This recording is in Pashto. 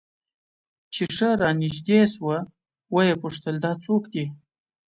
چې ښه رانژدې سوه ويې پوښتل دا څوک دى.